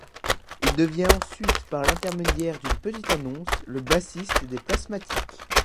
Il devient ensuite, par l'intermédiaire d'une petite annonce, le bassiste des Plasmatics.